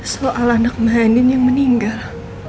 soal anak mbak andin yang meninggal